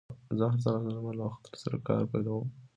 زه هر سهار د لمر له راختو سره کار پيلوم.